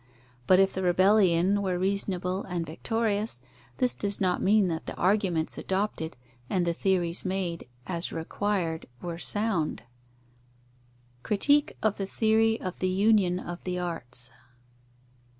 But if the rebellion were reasonable and victorious, this does not mean that the arguments adopted and the theories made as required were sound. _Critique of the theory of the union of the arts.